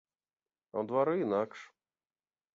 А ў двары інакш.